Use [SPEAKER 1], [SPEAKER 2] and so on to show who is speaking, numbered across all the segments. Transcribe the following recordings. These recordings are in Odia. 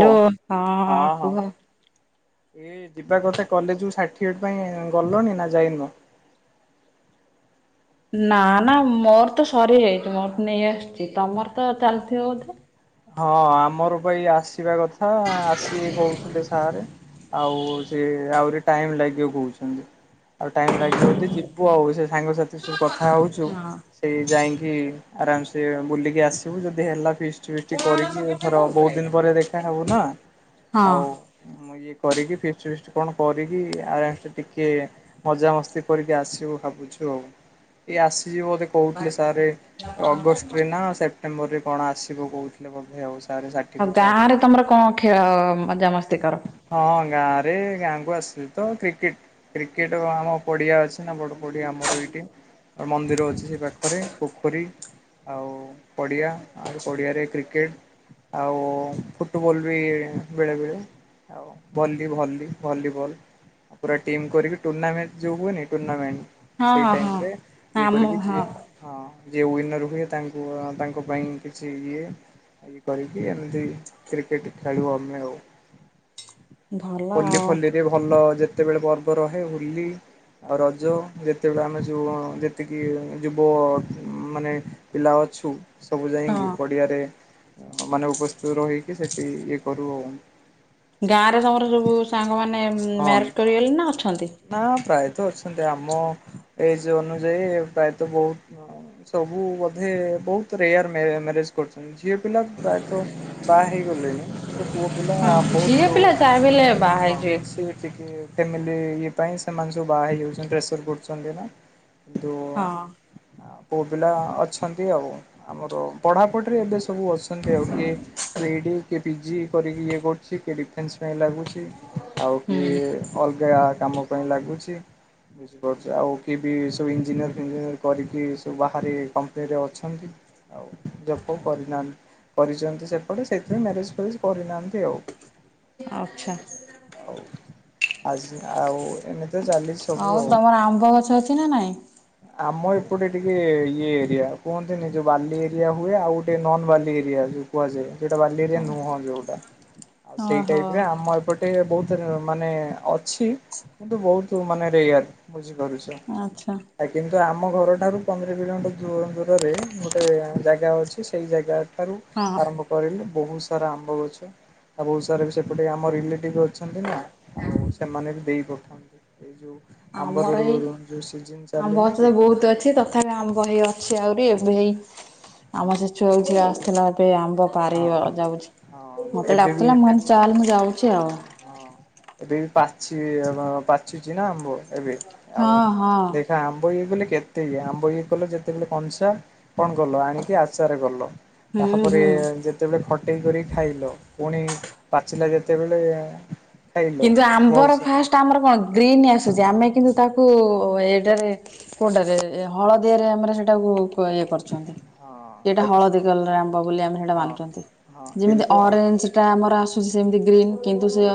[SPEAKER 1] ଓ ହଁ ହଁ।
[SPEAKER 2] କୁହ।
[SPEAKER 1] ଏ ଯିବା କଥା କଲେଜ୍ କୁ ସାର୍ଟିଫିକେଟ୍ ପାଇଁ ଗଲଣି ନା ଯାଇନ?
[SPEAKER 2] ନା ନା ମୋର ତ ସରିଯାଇଛି ମୋର ନେଇ ଆସିଛି ତମର ତ ଚାଲିଥିବ ବୋଧେ?
[SPEAKER 1] ହଁ ଆମର ପା ଏଇ ଆସିବା କଥା ଆସିବେ କହୁଥିଲେ ସାରେ। ଆଉ ସେ ଆହୁରି ଟାଇମ୍ ଲାଗିବ କହୁଛନ୍ତି। ଆଉ ଟାଇମ୍ ଲାଗିବ ଯଦି ଯିବୁ ଆଉ ସେ ସାଙ୍ଗସାଥି ସବୁ କଥା ହଉଚୁ।
[SPEAKER 2] ହଁ।
[SPEAKER 1] ଏ ଯାଇଁକି ଆରାମ ସେ ବୁଲିକି ଆସିବୁ ଯଦି ହେଲା ଫିଷ୍ ଠୀ
[SPEAKER 2] ହଁ
[SPEAKER 1] ବିଷ୍ଟ୍ କରିକି ଏଥର ବୋହୁତ୍ ଦିନି ପରେ ଦେଖା ହବୁ ନା ଆଉ ମୁଁ ଇଏ କରିକି ଫିଷ୍ଟ୍ ବିଷ୍ଟ୍ କଣ କରିକି [unintelligible] ଟିକେ ମଜାମସ୍ତି କରିକି ଆସିବୁ ଭାବୁଛୁ ଆଉ ଏଇ ଆସିଯିବ ବୋଧେ କହୁଥିଲେ ସାରେ ଅଗଷ୍ଟରେ ନା ସେପ୍ଟେମ୍ବରରେ କଣ ଆସିବ କହୁଥିଲେ ବୋଧେ ଆଉ ସା
[SPEAKER 2] ଆଉ ଗାଁ ରେ ତମର କଣ ଖେଳ ମଜାମସ୍ତି କର?
[SPEAKER 1] ହଁ ଗାଁ ରେ ଗାଁ କୁ ଆସିଲି ତ କ୍ରିକେଟ କ୍ରିକେଟ ଆମ ପଡିଆ ଅଛି ନା ବଡ ପଡିଆ ଆମର ଏଇଠି ମନ୍ଦିର ଅଛି ସେ ପାଖରେ ପୋ ପୋଖରୀ ଆଉ ପଡ଼ିଆ ଆ ପଡ଼ିଆରେ କ୍ରିକେଟ୍। ଆଉ ଫୁଟବଲ ବି ବେଳେ ବେଳେ। ଆଉ ଭଲି ଭଲି ଭଲିବଲ। ଆ ପୁରା ଟିମ୍ କରିକି ଟୁର୍ଣ୍ଣାମେଣ୍ଟ ଯୋଉ ହୁଏନି ଟୁର୍ଣ୍ଣାମେଣ୍ଟ।
[SPEAKER 2] ହଁ
[SPEAKER 1] ସେଇ
[SPEAKER 2] ହଁ ହଁ
[SPEAKER 1] ଟାଇମ ରେ ଇଏ
[SPEAKER 2] ଆମ
[SPEAKER 1] କରିବି
[SPEAKER 2] ହଁ
[SPEAKER 1] ଯିଏ। ହଁ ଯିଏ [unintelligible] ର ହୁଏ ତାଙ୍କୁ ତାଙ୍କ ପାଇଁ କିଛି ଇଏ। କରିକି ଏମତି କ୍ରିକେଟ ଖେଳୁ ଆମେ ଆଉ।
[SPEAKER 2] ଭଲ
[SPEAKER 1] ହୋଲି
[SPEAKER 2] ଆଉ
[SPEAKER 1] ଫୋଲିରେ ଭଲ ଯେତେବେଳେ ପର୍ବ ରହେ ହୋଲି। ଆଉ ରଜ ଯେତେବେଳେ ଆମେ ସୁ ଯେତିକି ଯୁବ ମାନେ। ପିଲା ଅଛୁ। ସବୁ ଯାଇଁକି
[SPEAKER 2] ହଁ।
[SPEAKER 1] ପଡ଼ିଆରେ ମାନେ ଉପସ୍ଥିତ ରହିକି ସେଇଠି ଇଏ କରୁ।
[SPEAKER 2] ଗାଁ ରେ ତମର ସବୁ ସାଙ୍ଗମାନେ
[SPEAKER 1] ହଁ
[SPEAKER 2] ମ୍ୟାରେଜ କରିଗଲେ ନା ଅଛନ୍ତି?
[SPEAKER 1] ନା ପ୍ରାୟତଃ ଅଛନ୍ତି ଆମ ଏଜ ଅନୁଯାୟୀ ପ୍ରାୟତଃ ବହୁତ ସବୁ ବୋଧେ ବହୁତ ରେୟାର ମ୍ୟାରେଜ କରୁଛନ୍ତି ଝିଅ ପିଲା ପ୍ରାୟତଃ। ବା ହେଇଗଲେଣି କିନ୍ତୁ ପୁଅ ପିଲା।
[SPEAKER 2] ହଁ ଝିଅ
[SPEAKER 1] ବହୁତ
[SPEAKER 2] ପିଲା ଯାହା ବି ହେଲେ ବାହା
[SPEAKER 1] ହଁ
[SPEAKER 2] ହେଇଯିବେ।
[SPEAKER 1] ସି ଟିକେ ଫ୍ୟାମିଲି ଇଏ ପାଇଁ ସେମାନେ ସବୁ ବାହା ହେଇ ଯାଉଛନ୍ତି ପ୍ରେସର କରୁୁଛନ୍ତି ନା କିନ୍ତୁ।
[SPEAKER 2] ହଁ
[SPEAKER 1] ପୁଅ ପିଲା ଅଛନ୍ତି ଆଉ ଆମର ପଢାପଢିରେ ଏବେ ସ ସବୁ ଅସନ୍ତି ଆଉ କିଏ ବି ଇ ଡି କି ପିଜି କରିକି ଇଏ କରୁଛି କିଏ ଡିଫେନ୍ସ ପାଇଁ ଲାଗୁଛି ଆଉ
[SPEAKER 2] ହୁଁ
[SPEAKER 1] କିଏ। ଅଲଗା କାମ ପାଇଁ ଲାଗୁଛି। ବୁଝିପାରୁଛି ଆଉ କିଏ ବି ସବୁ ଇଞ୍ଜିନିୟର ଫିଞ୍ଜିନିୟର କରିକି ସବୁ ବାହାରେ କମ୍ପାନୀରେ ଅଛନ୍ତି। ଆଉ ଜବ୍ ଫବ୍ କରିନାହାନ୍ତି। କରିଛନ୍ତି ସେପଟେ ସେଇଥିପାଇଁ ମ୍ୟାରେଜ ଫ୍ୟରେଜ କରିନାହାନ୍ତି ଆଉ।
[SPEAKER 2] ଆଚ୍ଛା
[SPEAKER 1] ଆଜି ଆଉ ଏମି
[SPEAKER 2] ଆଉ ତମର ଆମ୍ବ ଗଛ ଅଛି ନା ନାଇଁ।
[SPEAKER 1] ଆମ ଏପଟେ ଟିକେ ଇଏ ଏରିଆ କୁହନ୍ତିନି ଯୋଉ ବାଲି ଏରିଆ ହୁଏ ଆଉ ଗୋଟେ ନନ ବାଲି ଏରିଆ ଯଉ। କୁହାଯାଏ ସେଇଟା ବାଲିରେ ନୁହଁ ଯୋଉଟା।
[SPEAKER 2] [unintelligible]
[SPEAKER 1] ଆଉ ସେଇ ଟାଇପ୍ ରେ
[SPEAKER 2] ଓହୋ
[SPEAKER 1] ଆମ ଏପଟେ ବହୁତ ମାନେ ଅଛି। କିନ୍ତୁ ବହୁତ ମାନେ ରେୟାର ବୁଝିପାରୁଛ।
[SPEAKER 2] ଆଚ୍ଛା
[SPEAKER 1] ଆ କିନ୍ତୁ ଆମ ଘରଠାରୁ ପନ୍ଦର କିଲୋମିଟର ଦୂରରେ ଗୋଟେ ଜାଗା ଅଛି ସେଇ ଜାଗା। ଠାରୁ
[SPEAKER 2] ହଁ
[SPEAKER 1] ଆରମ୍ଭ କରିଲେ ବହୁତ ସାରା ଆମ୍ବ ଗଛ। ଆଉ ବହୁତ ସାରା ବି ସେପଟେ ଆମ ରିଲେଟିଭ ଅଛନ୍ତି ନା ଆଉ ସେମାନେ ବି ଦେଇପ ଏଇ ଯୋଉ
[SPEAKER 2] ଆମର
[SPEAKER 1] ଆମ୍ବର
[SPEAKER 2] ଏଇ
[SPEAKER 1] ଯୋଉ ସିଜିନି
[SPEAKER 2] ଆମ୍ବ
[SPEAKER 1] ଚାଲିନି
[SPEAKER 2] ଗଛ ତ
[SPEAKER 1] କି
[SPEAKER 2] ବହୁତ ଅଛି ତଥାପି ଆମ୍ବ ହେଇ ଅଛି ଆହୁରି ଏବେ ହେଇ ଆମ
[SPEAKER 1] ହଁ।
[SPEAKER 2] ସେ ଛୁଆ ଯଉ ଆସିଥିଲା ଏବେ ଆମ୍ବ। ପାରିବ ଯାଉଛି
[SPEAKER 1] ହଁ ହଁ
[SPEAKER 2] ମତେ
[SPEAKER 1] ଏବେ ବି
[SPEAKER 2] ଡାକୁଥିଲା ମୁଁ [unintelligible] ଚାଲେ ମୁଁ ଯାଉଛି ଆଉ।
[SPEAKER 1] ହଁ ଏବେ ବି ପାଛି ପାଚୁଛି ନା ଆମ୍ବ ଏବେ ଆଉ
[SPEAKER 2] ହଁ ହଁ
[SPEAKER 1] ଦେ ଆମ୍ବ ଇଏ ଗଲେ କେତେ କି ଆମ୍ବ ଇଏ କଲେ ଯେତେହେଲେ କଂସା। କଣ କଲ ଆଣିକି ଆଚାର କଲ
[SPEAKER 2] ହୁଁ
[SPEAKER 1] ତାପରେ।
[SPEAKER 2] ହୁଁ।
[SPEAKER 1] ଯେତେବେଳେ ଖଟେଇ କରି ଖାଇଲ ପୁଣି ପାଚିଲା ଯେତେବେଳେ। ଖାଇଲ
[SPEAKER 2] କିନ୍ତୁ
[SPEAKER 1] ବହୁତ
[SPEAKER 2] ଆମ୍ବର
[SPEAKER 1] ସାରା
[SPEAKER 2] ଫାଷ୍ଟ ଆମର କଣ ଗ୍ରୀନ୍ ଆସୁଛି
[SPEAKER 1] ହଁ
[SPEAKER 2] ଆମେ କିନ୍ତୁ ତାକୁ ଏଇଟାରେ। କୋଉଟାରେ ହଳଦିଆରେ ଆମର ସେଟାକୁ ଇଏ କରୁଛନ୍ତି। ଏଇଟା
[SPEAKER 1] ହଁ
[SPEAKER 2] ହଳଦୀ କଲର ଆମ୍ବ ବୋଲି ଆମେ ସେଇଟା
[SPEAKER 1] ହଁ
[SPEAKER 2] ମାନୁଛନ୍ତି
[SPEAKER 1] ହଁ
[SPEAKER 2] ଯେମିତି
[SPEAKER 1] କିନ୍ତୁ ହଁ
[SPEAKER 2] ଅରେଞ୍ଜ। ଟା ଆମର ଆସୁଛି ସେମିତି ଗ୍ରୀନ୍ କିନ୍ତୁ ସେ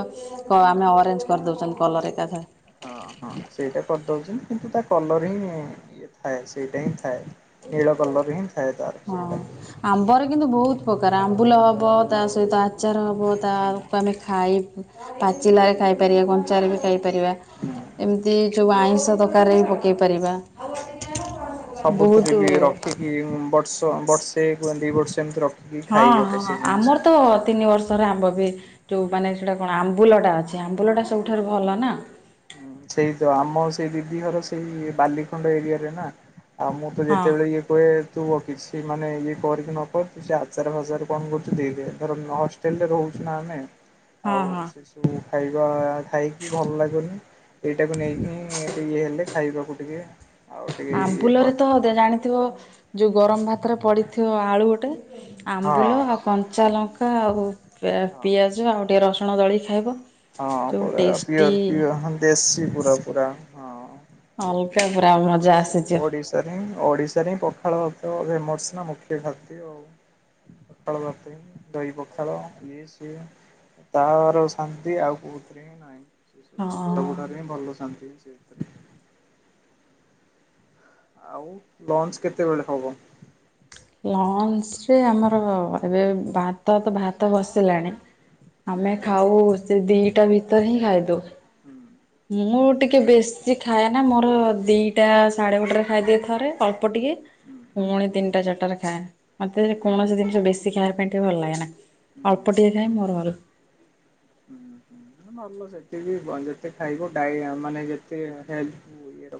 [SPEAKER 2] ଆମେ ଅରେଞ୍ଜ କରିଦେଉଛନ୍ତି କଲର ଏକାଥରେ।
[SPEAKER 1] ହଁ ହଁ ସେଇଟା କରିଦଉଛନ୍ତି କିନ୍ତୁ ତା କଲର ହିଁ ଇଏ ଥାଏ ସେଇଟା ହିଁ ଥାଏ। ନୀଳ କଲର ହିଁ ଥାଏ ତାର
[SPEAKER 2] ହଁ।
[SPEAKER 1] ସେଇଟା।
[SPEAKER 2] ଆମ୍ବରେ କିନ୍ତୁ ବହୁତ ପ୍ରକାର ଆମ୍ବୁଲ ହବ ତା ସହିତ
[SPEAKER 1] ହଁ
[SPEAKER 2] ଆଚାର ହ ବୋହୁତ
[SPEAKER 1] ହୁଁ।
[SPEAKER 2] ତାର କୁ
[SPEAKER 1] ହୁଁ
[SPEAKER 2] ଆମେ ଖାଇବୁ ପାଚିଲାରେ ଖାଇ ପାରିବା କଞ୍ଚାରେ ବି ଖାଇପାରିବା ଏମତି ଯୋଉ ଆଇଁଷ ତରକାରୀରେ ବି ପକେଇ ପାରିବା।
[SPEAKER 1] ହଁ ସବୁଥିରେ ବି
[SPEAKER 2] ବହୁତ
[SPEAKER 1] ରଖିକି ବର୍ଷ ବର୍ଷେକୁ ଦିବର୍ଷ ଏମତି ର
[SPEAKER 2] ହଁ ହଁ ଆମର ତ ତିନି ବର୍ଷ୍ ଷର ଆମ୍ବ ବି ଯୋଉ ମାନେ ସେଇଟା କଣ ଆମ୍ବୁଲଟା ଅଛି
[SPEAKER 1] ହଁ
[SPEAKER 2] ଆମ୍ବୁଲଟା ସବୁଠାରୁ ଭଲ ନା।
[SPEAKER 1] ହୁଁ ସେଇ ତ ଆମ ସେଇ ଦିଦି ହର ସେଇ ବାଲିଖଣ୍ଡ ଏରିଆରେ ନା। ଆଉ ମୁଁ ତ
[SPEAKER 2] ହଁ
[SPEAKER 1] ଯେତେବେଳେ ଇଏ କୁହେ ଥୁବ କିଛି ମାନେ ଇଏ କର କି ନକର କି ସେ ଆଚାର ଫାଜାର କଣ କରୁଚୁ ଦେଇଦେ ଧର ନ ହଷ୍ ଟେଲରେ ରହୁଚୁ ନା ଆମେ
[SPEAKER 2] ହଁ
[SPEAKER 1] ଆଉ
[SPEAKER 2] ହଁ
[SPEAKER 1] ସେସବୁ ଖାଇବା ଖାଇକି ଭଲ ଲାଗୁନି ଏଇଟାକୁ ନେଇକି ହିଁ ଟକେ ଇଏ ହେଲେ ଖାଇବାକୁ ଟିକେ ଆଉ ଟିକେ ଇଏ
[SPEAKER 2] ଆମ୍ବୁଲରେ
[SPEAKER 1] କରେ
[SPEAKER 2] ତ ଦେ ଜାଣିଥିବ ଯୋଉ ଗରମ ଭାତରେ ପଡ଼ିଥିବ ଆଳୁ ଗୋଟେ
[SPEAKER 1] ହଁ
[SPEAKER 2] ଆମ୍ବୁଲ ଆଉ କଞ୍ଚା ଲଙ୍କା ଆଉ ପି
[SPEAKER 1] ହଁ।
[SPEAKER 2] ପିଆଜ ଆଉ ଟିକେ ରସୁଣ ଦଳିକି ଖାଇବ।
[SPEAKER 1] ହଁ
[SPEAKER 2] ଯୋଉ
[SPEAKER 1] ପୁରା
[SPEAKER 2] ଟେଷ୍ଟି
[SPEAKER 1] ପଓର୍ ପିଅ ହଁ ଦେଶୀ ପୁର ପୁରା। ହଁ।
[SPEAKER 2] ଅଲଗା ପୁରା ଭଜ୍
[SPEAKER 1] ସେ ଓଡିଶାରେ ହିଁ ଓଡିଶାରେ ହିଁ ପଖାଳ ଭାତ ଫେମସ ନା ମୁଖ୍ୟ ଖାଦ୍ୟ ଆଉ। ପଖାଳ ଭାତ ହିଁ ଦହି ପଖାଳ ଇଏ ସିଏ ତାହାର ଶାନ୍ତି ଆଉ କୋଉଥିରେ ହିଁ ନାହିଁ।
[SPEAKER 2] ହଁ।
[SPEAKER 1] ରେ ହିଁ ଭଲ ଶନ୍ତି ସେଇଥିରେ ଆଉ ଲଞ୍ଚ କେତେବେଳେ ହବ?
[SPEAKER 2] ଲଞ୍ଚରେ ଆମର ଏବେ ଭାତ ତ ଭାତ ବସିଲାଣି ଆମେ ଖାଉ ସେ ଦିଇଟା ଭିତରେ ହିଁ ଖାଇଦୋଉ।
[SPEAKER 1] ହୁଁ।
[SPEAKER 2] ମୁଁ ଟିକେ ବେଶୀ ଖାଏନା ମୋର ଦିଇଟା ସାଢ଼େ ଗୋଟେରେ ଖାଇଦିଏ ଥରେ ଅଳ୍ ପ ଟିକେ ପୁଣି ତିନଟା ଚାରଟାରେ ଖାଏଁ ମତେ କୌଣସି ଜିନଷ ବେଶ୍ ବେଶୀ ଖାଇବା ପାଇଁ ଟିକେ ଭଲ ଲାଗେନା ଅଳ୍ପ ଟିକେ ଖାଏଁ ମୋର ଭଲ।
[SPEAKER 1] ହୁଁ ହୁଁ ଭଲ ସେଠି ବି ବ ଯେତେ ଖାଇବ [unintelligible] ମାନେ ଯେତେ ହେଲଥ ଇଏରେ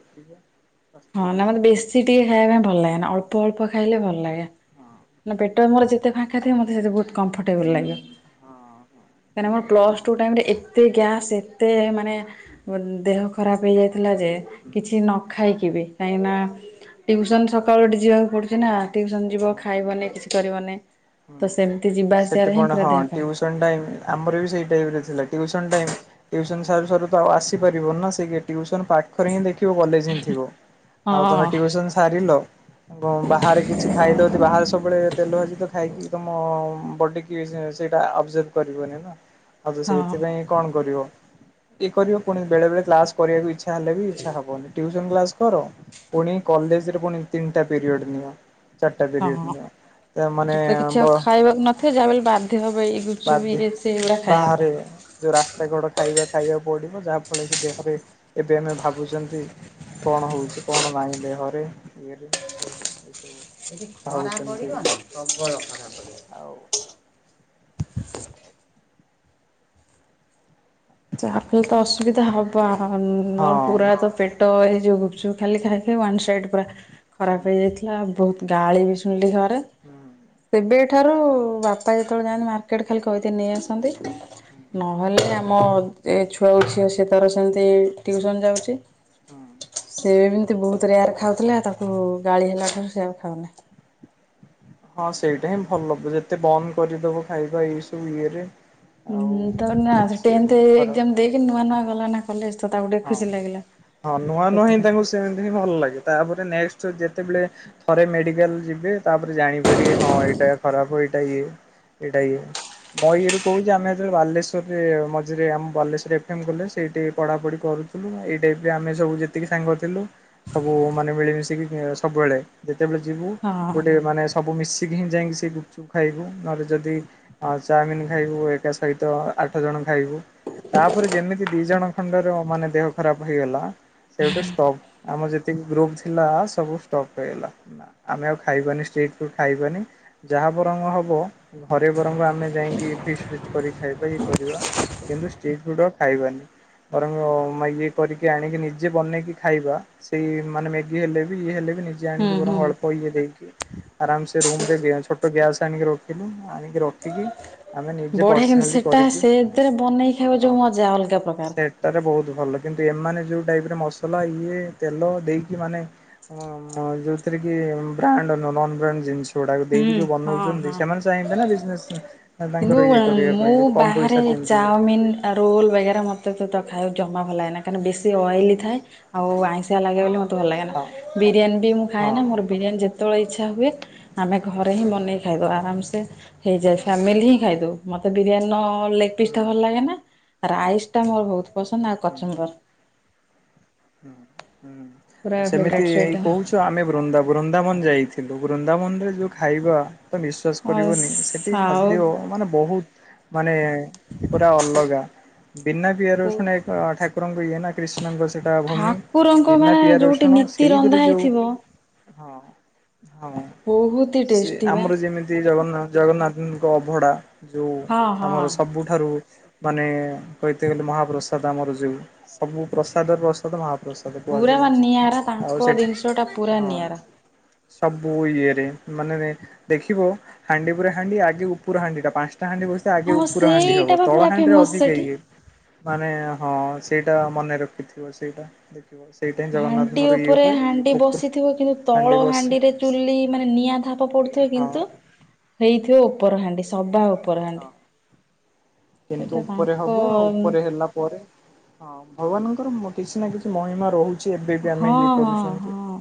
[SPEAKER 2] ହଁ ନା ମତେ ବେଶୀ
[SPEAKER 1] କରିବ।
[SPEAKER 2] ଟିକେ ଖାଇବା ପାଇଁ ଭଲ ଲାଗେନା ଅଳ୍ପ ଅଳ୍ପ ଖାଇଲେ ଭଲ ଲାଗେ।
[SPEAKER 1] ହଁ।
[SPEAKER 2] ନା ପେଟ ମୋର ଯେତେ ଫାଙ୍କା ଥାଏ ମତେ ସେତେ ବୋହୁତ କମ୍ଫର୍ଟେବଲ ଲାଗେ।
[SPEAKER 1] ହଁ ହଁ
[SPEAKER 2] କାହିଁକିନା ମୋର
[SPEAKER 1] ସେଇଟା ହିଁ ଭଲ
[SPEAKER 2] ପ୍ଲସ ଟୁ ଟାଇମରେ ଏ ଏତେ ଗ୍ୟାସ୍ ଏତେ ମାନେ ଦେହ ଖରାପ ହେଇଯାଇ ଥି ଥିଲା ଯେ କିଛି ନ ଖାଇକି ବି କାହିଁକିନା ଟ୍ୟୁସନ୍ ସକାଳୁ ଉଠି ଯିବାକୁ ପଡୁଚି ନା ଟ୍ୟୁସନ୍ ଯିବ ଖା କିଛି କରିବନେଇ
[SPEAKER 1] ହୁଁ।
[SPEAKER 2] ତ ସେମତି ଯିବା ଆସିବାରେ ହିଁ ପୁରା ଦେହ ଖରାପ।
[SPEAKER 1] ସନ୍ ଟାଇମ୍ ଆମର ବି ସେଇ ଟାଇମରେ ଥିଲା ଟ୍ୟୁସନ୍ ଟାଇମ୍ ଟ୍ୟୁସନ ସାରୁ ସରୁ ତ ଆଉ ଆସିପାରିବନି ନା ସେଇ ଗେ ଟ୍ୟୁସନ ପାଖରେ ହିଁ ଦେଖିବ କଲେଜ ହିଁ ଥିବ। ଆଉ ତମେ
[SPEAKER 2] ହଁ
[SPEAKER 1] ଟ୍ୟୁସନ ସାରିଲ ବ ବାହାରେ କିଛି ଖାଇଲ ଯଦି ବାହାରେ ସବୁବେଳେ ତେଲ ଭାଜି ତ ଖାଇ କି ତମ ବଡି କି ସେ ସେଇଟା ଆବଜର୍ଭ କରିବନି ନା ଆଉ ତ ସେ
[SPEAKER 2] ହଁ
[SPEAKER 1] ସେଥିପାଇଁ କଣ କରିବ ଇଏ କରିବ ପୁଣି ବେଳେ ବଳେ କ୍ଲାସ କରିବାକୁ ଇଛା ହେଲେ ବି ଇଛା ହବନି ଟ୍ୟୁସନ୍ କ୍ଲାସ୍ କର ପୁଣି କଲେଜରେ ପୁଣି ତିନଟା ପିରିୟଡ଼ ନିଅ। ଚାରଟା ପରିଅଡ୍
[SPEAKER 2] ହଁ।
[SPEAKER 1] ନିଅ ତାମାନେ
[SPEAKER 2] ସେଠି ତ କିଛି ଆଉ ଖାଇବାକୁ ନଥିବ ଯାହାବି ହେଲେ ବାଧ୍ୟ ହବ ଏଇ ଗୁପଚୁପ୍ ବି
[SPEAKER 1] ବାଧ୍ୟ
[SPEAKER 2] ଏ ସେଗୁଡ଼ା ଖାଇବାକୁ।
[SPEAKER 1] ବାହାରେ ଯୋଉ ରାସ୍ତାକଡ ଖାଇବା ଖାଇବାକୁ ପଡିବ ଯାହା ଫଳରେ କି ଦେହରେ ଏବେ ଆମେ ଭାବୁଚନ୍ତି କଣ ହୋଉଚି କଣ ନାହିଁ ଦେହରେ ଇଏରେ ସିଏରେ ଏସବୁ।
[SPEAKER 2] ଏଠି ଖରା
[SPEAKER 1] ଭାବୁଛନ୍ତି
[SPEAKER 2] ପଡ଼ିବ ନା ପ୍ରବଳ ଖରା ପଡ଼ିବ।
[SPEAKER 1] ଆଉ
[SPEAKER 2] ଚାହା ପି ତ ଅସୁବିଧା ହବ ମୋର
[SPEAKER 1] ହଁ
[SPEAKER 2] ପୁରା ତ ପେ ଟ ଏଇ ଯୋଉ ଗୁପଚୁପ ଖାଲି ଖାଇଲି ୱାନ୍ ସାଇଡ ପୁରା
[SPEAKER 1] ହୁଁ
[SPEAKER 2] ଖରାପ ହେଇଯାଇଥି ଥିଲା ବୋହୁତ ଗାଳି ବି ଶୁଣିଲି ଘରେ
[SPEAKER 1] ହୁଁ
[SPEAKER 2] ସେବେ ଠାରୁ ବାପା ଯେତେବେଳେ ଯାଆନ୍ତି ମାର୍କେଟ୍ ଖାଲି କହିଦିଏ ନେଇ ଆସନ୍ତି। ନ ହେଲେ ଆମ ଏ ଛୁଆ ଉଠିବ ସିଏ ତାର ସେମତି ଟିଉସନ୍ ଯାଉଛି।
[SPEAKER 1] ହଁ।
[SPEAKER 2] ସେ ଏମିତି ବହୁତ ରେୟାର୍ ଖାଉଥିଲା ତାକୁ ଗାଳି ହେଲା ଠାରୁ ସେ ଆଉ ଖାଉନାହିଁ।
[SPEAKER 1] ହଁ ସେଇଟା ହିଁ ଭଲ ହବ ଯେତେ ବନ୍ଦ କରିଦବ ଖାଇବା ଏଇ ସବୁ ଇଏରେ।
[SPEAKER 2] ହୁଁ ତ ନାଁ
[SPEAKER 1] ଆଉ ସେ
[SPEAKER 2] ଟେନଥ୍
[SPEAKER 1] ଖରାପ
[SPEAKER 2] ଏକ୍ଜାମ୍ ଦେଇକି ନୂଆ ନୂଆ ଗଲା ନାଁ କଲେଜ କୁ ତାକୁ ଟିକେ
[SPEAKER 1] ହଁ।
[SPEAKER 2] ଖୁସି ଲାଗିଲା
[SPEAKER 1] ହଁ ନୂଆ ନୂଆ ହିଁ
[SPEAKER 2] ସେଥିପାଇଁ।
[SPEAKER 1] ତାଙ୍କୁ ସେମିତି ହିଁ ଭଲ ଲାଗେ ତାପରେ ନେକ୍ସଟ୍ ଯେତେବେଳେ ଥରେ ମେଡିକାଲ୍ ଯିବେ ତାପରେ ଜାଣିପାରିବେ ହଁ ଏଇଟା ଖରାପ ହୁଏ ଏଇଟା ଇଏ। ଏଇଟା ଇଏ। ମୋ ଇଏରୁ କହୁଛି ଆମେ ଯେତେବେଳେ ବାଲେଶ୍ଵରରେ ମଝିରେ ଆମ ବାଲେଶ୍ୱରରେ ଏଫ୍ ଏମ୍ କଲେଜ୍ ସେଇଠି ପଢାପଢି କରୁଥିଲୁ ନାଁ ଏଇ ଟାଇମ୍ ରେ ଆମେ ସବୁ ଯେତିକି ସାଙ୍ଗ ଥିଲୁ ସବୁ ମାନେ ମିଳିମିଶିକି ଉଁ ସବୁବେଳେ ଯେତେବେଳେ ଯିବୁ
[SPEAKER 2] ହଁ
[SPEAKER 1] ଗୋଟେ ମାନେ ସ ସବୁ ମିଶିକି ହିଁ ଯାଇଁକି ସେ ଗୁପ୍ ଚୁପ୍ ଖାଇବୁ ନହେଲେ ଯଦି ଆଉ ଚାଓମିିନ୍ ଖାଇବୁ ଏକା ସହିତ ଆଠ ଜଣ ଖାଇବୁ। ତାପରେ ଯେମିତି ଦି ଜଣ ଖଣ୍ଡର ମାନେ ଦେହ ଖରାପ ହେଇଗଲା ସେଇଠୁ ଷ୍ଟପ୍। ଆମର ଯେତିକି ଗ୍ରୁପ୍ ଥିଲା ସବୁ ଷ୍ଟପ୍ ହେଇଗଲା। ନାଁ ଆମେ ଆଉ ଖାଇବାନି ଷ୍ଟ୍ରିଟ୍ ଫୁଡ୍ ଖାଇବାନି ଯାହା ବରଙ୍ଗ ହବ ଘରେ ବରଙ୍ଗ ଆମେ ଯାଇଁକି ଫିଷ୍ଟ୍ ଫିଷ୍ଟ୍ କରି ଖାଇବା କି କରିବା କିନ୍ତୁ ଷ୍ଟ୍ରିଟ୍ ଫୁଡ଼୍ ଆଉ ଖାଇବାନି। ତ ମାନେ ଇଏ କରିକି ଆଣିକି ନିଜେ ବନେଇକି ଖାଇବା ସେଇ ମାନେ ମ୍ୟାଗି ହେଲେ ବି ଇଏ ହେଲେ ବି ନି ଜେ
[SPEAKER 2] ହୁଁ
[SPEAKER 1] ଆଣିକି ବରଂ
[SPEAKER 2] ହୁଁ।
[SPEAKER 1] ଅଳ୍ପ ଇଏ ହେଇକି ଆରାମ୍ ସେ ରୁମ୍ ରେ ଇଏ ଛୋଟ ଗ୍ୟାସ୍ ଆଣିକି ରଖିଲୁ ଆଣିକି ର ରଖିକି ଆମେ ନିଜେ
[SPEAKER 2] ବଢିଆ କିନ୍ତୁ
[SPEAKER 1] ପର୍ସନାଲି
[SPEAKER 2] ସେଟା
[SPEAKER 1] କରିକି
[SPEAKER 2] ସେଥିରେ ବନେଇ ଖାଇବ
[SPEAKER 1] ଆଁ
[SPEAKER 2] ଯୋଉ ମଜା ଅଲଗା ପ୍ରକାର।
[SPEAKER 1] ସେ ଇଟା ତ ବହୁତ ଭଲ କିନ୍ତୁ ଏମାନେ ଯୋଉ ଟାଇପ୍ ର ମସଲା ଇଏ ତେଲ ଦେଇକି ମାନେ ହଁ ମ ଯୋଉଥିରେ କି ବ୍ରାଣ୍ଡ ନୁହଁ ନନ୍ ବ୍ରାଣ୍ଡ ଜିନିଷ ଯୋଉଟାକୁ
[SPEAKER 2] ହୁଁ
[SPEAKER 1] ଦେଇକି ଯୋଉ
[SPEAKER 2] ହଁ
[SPEAKER 1] ବନଉଛନ୍ତି
[SPEAKER 2] ହଁ।
[SPEAKER 1] ସେମାନେ ଚାହିଁବେ ନାଁ ବିଜନେସ୍ ନାଁ ତାଙ୍କର ଇଏ କରିବା ପାଇଁ କମ୍ ପଇସା ଯେମ
[SPEAKER 2] ଚାଓମିନ୍ ଆଉ ରୋଲ୍ ବଗେରା ମୋତେ ତ ଏତେ ଖାଇବାକୁ ଜମା ଭଲ ଲାଗେନା କାରଣ ବେଶୀ ଅଏଲି ଥାଏ ଆଉ ଆଇଁଷିଆ ଲାଗେ ବୋଲି ମ ତେ ଭଲ ଲାଗେନା
[SPEAKER 1] ହଁ
[SPEAKER 2] ବିରିୟାନୀ ବି ମୁଁ ଖାଏ
[SPEAKER 1] ହଁ
[SPEAKER 2] ନାଁ ମୋର ବିରିୟାନୀ ଯେତେବେଳେ ଇଚ୍ଛା ହୁଏ ଆମେ ଘରେ ହିଁ ବନେଇ ଖାଇଦଉ ଆରାମ୍ ସେ ହେଇଯାଏ
[SPEAKER 1] ହଁ
[SPEAKER 2] ଫ୍ୟାମିଲି ହିଁ ଖାଇଦଉ ମତେ ବିରିୟାନୀ ନହେଲେ ପିସ୍
[SPEAKER 1] ହୁଁ
[SPEAKER 2] ତ ଭଲ ଲାଗେନା ରାଇସ୍ ଟା ମୋର ବହୁତ ପସନ୍ଦ ଆଉ
[SPEAKER 1] ହୁଁ।
[SPEAKER 2] କଚୁମ୍ବର।
[SPEAKER 1] ହୁଁ ହୁଁ
[SPEAKER 2] ପୁରା
[SPEAKER 1] ଆ ସେମିତି
[SPEAKER 2] ଫେବରାଇଟ୍
[SPEAKER 1] ଏଇ
[SPEAKER 2] ସେଇଟା।
[SPEAKER 1] କହୁଛି ତ ଆମେ ବୃନ୍ଦା ବୃନ୍ଦାବନ ଯାଇଥିଲୁ ବୃନ୍ଦାବନରେ ଯୋଉ ଖାଇବା ତମେ ବିଶ୍ଵାସ କରିବନି ସେଠି
[SPEAKER 2] ଆଉ
[SPEAKER 1] ଖାଦ୍ୟ ମାନେ ବହୁତ ମାନେ ପୁରା ଅଲଗା ବିନା ପିଆଜ
[SPEAKER 2] ଆଉ
[SPEAKER 1] ରସୁଣ ରେ ଠାକୁରଙ୍କ ଇଏ ନା କ୍ରିଷ୍ଣାଙ୍କ ତା ଭୂମି
[SPEAKER 2] ଠାକୁରଙ୍କ
[SPEAKER 1] ବିନା
[SPEAKER 2] ମାନେ
[SPEAKER 1] ପିଆଜ
[SPEAKER 2] ଯୋଉଠି
[SPEAKER 1] ରସୁଣ
[SPEAKER 2] ନୀତି ରନ୍ଧା
[SPEAKER 1] ସେଇଥିରେ ଯୋଉ
[SPEAKER 2] ହେଇଥିବ
[SPEAKER 1] ହଁ ହଁ
[SPEAKER 2] ବହୁତ ହି
[SPEAKER 1] ସେ
[SPEAKER 2] ଟେଷ୍ଟି ବା।
[SPEAKER 1] ଆମର ଯେମିତି ଶ୍ରୀ ଜଗନ୍ନା ଜଗନ୍ନାଥଙ୍କ ଅଭଡା ଯୋଉ
[SPEAKER 2] ହଁ
[SPEAKER 1] ଆମର
[SPEAKER 2] ହଁ
[SPEAKER 1] ସବୁ ଠାରୁ ମାନେ କହିତେ ଗଲେ ମହାପ୍ରସାଦ ଆମର ଯୋଉ ସବୁ ପ୍ରସା ସାଦ ପ୍ରସାଦ ମହାପ୍ରସାଦ
[SPEAKER 2] ପୁରା ବା
[SPEAKER 1] କୁହାଯାଉଛି
[SPEAKER 2] ନିଆରା
[SPEAKER 1] ଆଉ
[SPEAKER 2] ତାଙ୍କ
[SPEAKER 1] ସେଠି
[SPEAKER 2] ଜିନିଷ ଟା ପୁରା
[SPEAKER 1] ହଁ।
[SPEAKER 2] ନିଆରା।
[SPEAKER 1] ସବୁ ଇଏରେ ମାନେ ଦେଖିବ ହାଣ୍ଡି ଉପରେ ହାଣ୍ଡି ଆଗେ ଉପର ହାଣ୍ଡି ଟା ପାଞ୍ଚଟା ହାଣ୍ଡି ବସି ତ ଆଗେ
[SPEAKER 2] ହଁ
[SPEAKER 1] ଉପର ହାଣ୍ଡି ହିଁ
[SPEAKER 2] ସେଇଟା
[SPEAKER 1] ହବ
[SPEAKER 2] ବା ପୁରା
[SPEAKER 1] ତଳହାଣ୍ଡି ରେ
[SPEAKER 2] ଫେମସ୍
[SPEAKER 1] ଅଧିକ
[SPEAKER 2] ସେଠି।
[SPEAKER 1] ଇଏ। ମାନେ ହଁ ସେଇଟା ମନେ ରଖିଥିବ ସେଇଟା ଦେଖିବ ସେ
[SPEAKER 2] ହାଣ୍ଡି ଉପରେ ହାଣ୍ଡି ବସିଥିବ କିନ୍ତୁ ତଳ
[SPEAKER 1] ହାଣ୍ଡି ବସେ
[SPEAKER 2] ହାଣ୍ଡିରେ ଚୁଲି ମାନେ ନିଆଁ ଧା ସ ପଡୁଥିବ
[SPEAKER 1] ହଁ
[SPEAKER 2] କିନ୍ତୁ ହେଇଥିବ ଉପର ହାଣ୍ଡି ସଭା ଉପର ହା
[SPEAKER 1] ହଁ କିନ୍ତୁ ଉପରେ
[SPEAKER 2] ତାଙ୍କ
[SPEAKER 1] ହବ ଉପରେ ହେଲା ପରେ ହଁ ଭଗବାନଙ୍କର ବୋଧେ କିଛି ନାଁ କିଛି ମହିମା ରହୁଛି ଏବେ ବି ଆମେ
[SPEAKER 2] ହଁ
[SPEAKER 1] ଇଏ
[SPEAKER 2] ହଁ
[SPEAKER 1] କରୁଛନ୍ତି।
[SPEAKER 2] ହଁ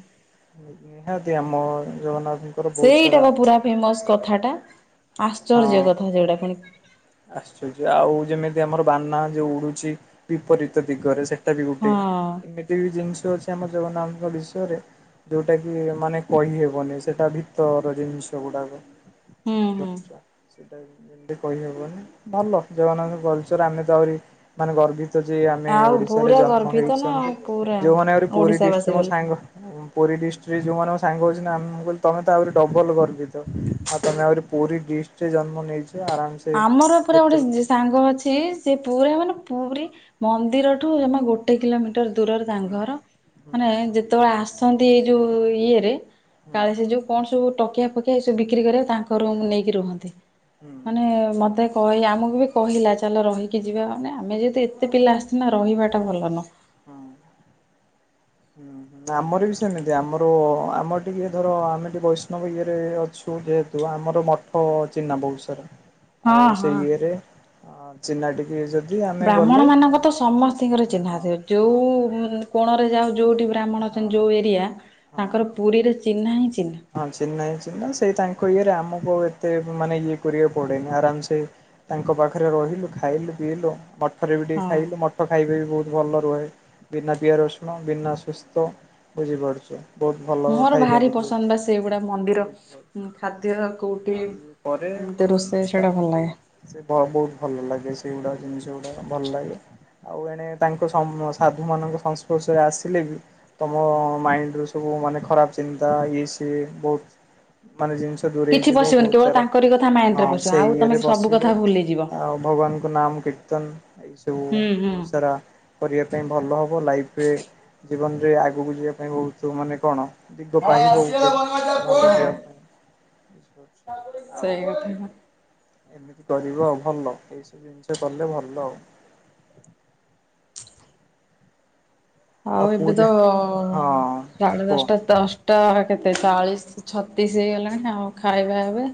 [SPEAKER 1] ନିହାତି ଆମ ଜଗନ୍ନାଥ।
[SPEAKER 2] ସେଇଟା ବା ପୁରା ଫେମସ କଥାଟା
[SPEAKER 1] ହଁ
[SPEAKER 2] ଆଶ୍ଚର୍ଯ୍ୟ କଥା ଯଉଟା ପୁଣି।
[SPEAKER 1] ଆଶ୍ଚର୍ଯ୍ୟ ଆଉ ଯେମିତି ଆମର ବାନା ଯୋଉ ଉଡୁଛି ବିପରୀତ ଦିଗରେ ସେ ବି ଗୋଟେ
[SPEAKER 2] ହଁ
[SPEAKER 1] ଏମିତି ବି ଜିନିଷ ଅଛି ଆମ ଜଗନ୍ନାଥ ବିଷୟରେ ଯୋଉଟା କି ମାନେ କହିହେବନି ସେଟା ଭିତର ଜିନିଷ ଗୁଡାକ।
[SPEAKER 2] ହୁଁ ହୁଁ।
[SPEAKER 1] ବୁଝିପାରୁଛ ସେଇଟା ଏମିତି କହିହବନି। ଭଲ ଜଜଗନ୍ନାଥଙ୍କ କଲଚର ଆମେ ତ ଆହୁରି ମାନେ ଗର୍ବିତ। ଯେ ଆମେ
[SPEAKER 2] ଆଉ
[SPEAKER 1] ଓଡିଶାରେ
[SPEAKER 2] ପୁରା
[SPEAKER 1] ଜନ୍ମ
[SPEAKER 2] ଗର୍ବିତ ନା
[SPEAKER 1] ହେଇଛନ୍ତି
[SPEAKER 2] ଆଉ ପୁରା
[SPEAKER 1] ଯୋଉମାନେ ଆହୁରି ପୁରୀ ଡିଷ୍ଟ୍ରିକ୍ଟ
[SPEAKER 2] ଓଡିଶାବାସୀ
[SPEAKER 1] ମୋ
[SPEAKER 2] ବୋଲି।
[SPEAKER 1] ସାଙ୍ଗ ପୁରୀ ଡିଷ୍ଟ୍ରିକ୍ଟ ଯୋଉ ମଙ୍କ ସାଙ୍ଗ ହଛି ନା ଆମେ ମୁଁ କହିଲି ତମେ ତା ଆହୁରି ଡବଲ ଗର୍ବିତ ଆଉ। ତମେ ଆହୁରି ପୁରୀ ଡିଷ୍ଟ ରେ ଜନ୍ମ ନେଇଛ ଆରାମସ
[SPEAKER 2] ଆମର ଉପରେ ଗୋଟେ ସେ ସାଙ୍ଗ ଅଛି ସେ ପୁରା ମାନେ ପୁରୀ ମନ୍ଦିରଠୁ ଜମା ଗୋଟେ କିଲୋମିଟର ଦୂରରେ ତାଙ୍କର ଘର
[SPEAKER 1] ହୁଁ ହୁଁ
[SPEAKER 2] ମାନେ ଯେତେବେଳେ ଆସନ୍ତି ଏଇ ଯୋଉ ଇଏରେ।
[SPEAKER 1] ହୁଁ
[SPEAKER 2] କାଳେ ସେ ଯଉ କଣ ସବୁ ଟକିଆ ଫକିଆ ଏ ସବୁ ବିକ୍ରି କରିବା ତାଙ୍କର ନେଇକି ରୁହନ୍ତି।
[SPEAKER 1] ହୁ।
[SPEAKER 2] ମାନେ ମତେ କହେ ଆମକୁ ବି କହିଲା ଚାଲ ରହିକି ଯିବା ମାନେ ଆମେ ଯେହେତୁ ଏତେ ପିଲା ଆସି ନା ରହିବାଟା ଭଲ ନୁହଁ।
[SPEAKER 1] ହୁ। ଆମର ବି ସେମିତି ଆମର ଆମର ଟିକେ ଧର ଆମେ ଟିକେ ବୈଷ୍ଣବ ଇଏରେ ଅଛୁ। ଯେହେତୁ ଆମର ମଠ ଚିହ୍ନା ବହୁତ୍ ସାରା।
[SPEAKER 2] ହଁ
[SPEAKER 1] ଆଉ
[SPEAKER 2] ହଁ।
[SPEAKER 1] ସେଇ ଇଏରେ ଚିହ୍ନା ଟିକେ ଯଦି ଆମେ
[SPEAKER 2] ବ୍ରାହ୍ମଣ
[SPEAKER 1] ଗଲେ
[SPEAKER 2] ମାନଙ୍କ ତ ସମସ୍ତିଙ୍କର ଚିହ୍ନା
[SPEAKER 1] ହଁ
[SPEAKER 2] ଥିବ
[SPEAKER 1] ହଁ
[SPEAKER 2] ଯୋଉ କୋଣରେ ଯାଉ ଯୋଉଠି ବ୍ରାହ୍ମଣ
[SPEAKER 1] ହଁ
[SPEAKER 2] ଅଛନ୍ତି ଯୋଉ ଏରିଆ
[SPEAKER 1] ହଁ।
[SPEAKER 2] ତାଙ୍କର ପୁରୀରେ ଚିହ୍ନା ହିଁ ଚିହ୍ନା।
[SPEAKER 1] ହଁ ଚିହ୍ନା ଚିହ୍ନା ସେଇ ତାଙ୍କ ଇଏରେ ଆମକୁ ଏତେ ମାନେ ଇଏ କରିବାକୁ ପଡେନି ଆରାମ ସେ ତାଙ୍କ ପାଖରେ ରହିଲୁ ଖାଇଲୁ ପିଇଲୁ। ମଠରେ ବି ଟିକେ
[SPEAKER 2] ହଁ
[SPEAKER 1] ଖାଇଲୁ, ମଠ ଖାଇବେ ବି ବହୁତ ଭଲ ରୁହେ ବିନା ପିଆ ରସୁଣ ବିନା ସୁସ ତ ବୁଝିପାରୁଛୁ ବହୁତ ଭଲ ଖାଇପାରୁଛ।
[SPEAKER 2] ସେଗୁଡା ମନ୍ଦିର ଖାଦ୍ୟ କୋଉଠି
[SPEAKER 1] ଆଉ ଇଏ ପରେ
[SPEAKER 2] ଏମତି ରୋଷେଇ
[SPEAKER 1] ତା
[SPEAKER 2] ସେଇଟା ଭଲ ଲାଗେ।
[SPEAKER 1] ସେ ବହୁତ ଭଲ ଲାଗେ ସେଗୁଡା ଜିନିଷ ଗୁଡା ଭଲ ଲାଗେ। ଆଉ ଏଣେ ତାଙ୍କ ସାଧୁ ମାନଙ୍କ ସଂସ୍ପର୍ଶରେ ଆସିଲେ ବି ତମ ମାଇଣ୍ଡ ର ସବୁ ମାନେ ଖରାପ ଚିନ୍ତା ଇଏ ସିଏ ବହୁତ ମାନେ ଜିନିଷ ଦୂରେଇ
[SPEAKER 2] କିଛି
[SPEAKER 1] ଯିବ
[SPEAKER 2] ପଶିବନି
[SPEAKER 1] ବହୁତ
[SPEAKER 2] କେବଳ
[SPEAKER 1] ସାରା
[SPEAKER 2] ତାଙ୍କରି କଥା ମାଇଣ୍ଡ ରେ
[SPEAKER 1] ହଁ
[SPEAKER 2] ପଶିବ
[SPEAKER 1] ସେଇ
[SPEAKER 2] ଆଉ ତମେ
[SPEAKER 1] ଇଏରେ
[SPEAKER 2] ସବୁ
[SPEAKER 1] ବସିବୁ
[SPEAKER 2] କଥା ଭୁଲିଯିବ
[SPEAKER 1] ଆଉ ଭଗବାନ ନାମ କିର୍ତ୍ତନ ଏସବୁ
[SPEAKER 2] ହୁଁ ହୁଁ।
[SPEAKER 1] ବହୁତ ସାରା। କରିବା ପାଇଁ ଭଲ ହେବ ଲାଇଫେ ଜୀବନରେ ଆଗକୁ ଯିବା ପାଇଁ ବହୁତ ମାନେ କଣ ଦିଗ
[SPEAKER 2] ହଁ
[SPEAKER 1] ପାଇବ
[SPEAKER 2] ସେଇ
[SPEAKER 1] ଗୋଟେ ଭଲ ଝିଅ ପାଇଁ। ବୁଝିପାରୁଛ ଆଉ
[SPEAKER 2] ସେୟାକଥା ନୁହ।
[SPEAKER 1] ଏମିତି କରିବ ଆଉ ଭଲ ଏଇ ସବୁ ଜିନିଷ କଲେ ଭଲ ଆଉ।
[SPEAKER 2] ଆଉ ଏବେ ତ
[SPEAKER 1] ହଁ
[SPEAKER 2] ସାଢେ
[SPEAKER 1] କୁହ
[SPEAKER 2] ଦଶ ଟା ଦସ ଟ କେତେ
[SPEAKER 1] ହଁ।
[SPEAKER 2] ଚାଳିଶ ଛତିଶ ହେଇଗଲାଣି ଆଉ ଖାଇବା ଏବେ।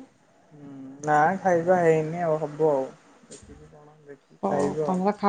[SPEAKER 1] ହୁଁ ନା ଖାଇବା ହେଇନି ଆଉ ହବ ଆଉ ଦେଖିବି କଣ ଦେଖି
[SPEAKER 2] ଓ
[SPEAKER 1] ଖାଇବ ଆଉ।
[SPEAKER 2] ତମେ ତ ଖାଇ